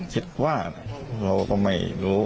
คิดว่าเราก็ไม่รู้